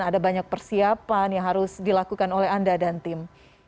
ada banyak persiapan yang harus dilakukan oleh anda dan tim